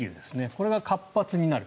これが活発になる。